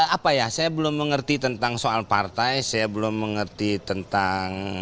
apa ya saya belum mengerti tentang soal partai saya belum mengerti tentang